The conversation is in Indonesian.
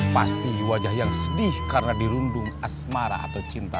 pasti wajah yang sedih karena dirundung asmara atau cinta